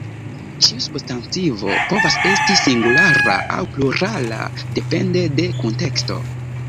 Ĉiu substantivo povas esti singulara aŭ plurala depende de kunteksto.